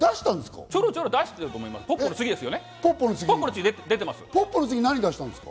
ちょろちょろ出してたと思います。